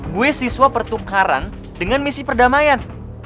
gue siswa pertukaran dengan misi perdamaian